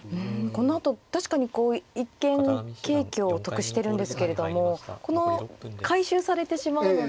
このあと確かにこう一見桂香得してるんですけれどもこの回収されてしまうので。